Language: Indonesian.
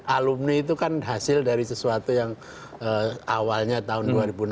alumni itu kan hasil dari sesuatu yang awalnya tahun dua ribu enam belas